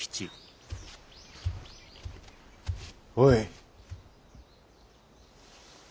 おい。